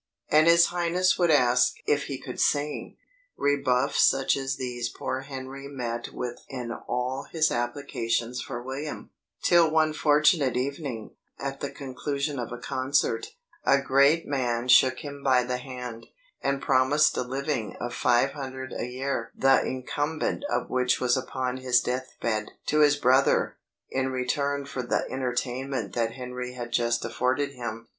And his highness would ask "if he could sing." Rebuffs such as these poor Henry met with in all his applications for William, till one fortunate evening, at the conclusion of a concert, a great man shook him by the hand, and promised a living of five hundred a year (the incumbent of which was upon his death bed) to his brother, in return for the entertainment that Henry had just afforded him.